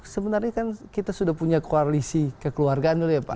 sebenarnya kan kita sudah punya koalisi kekeluargaan dulu ya pak